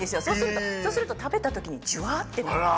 そうすると食べた時にジュワッてなって。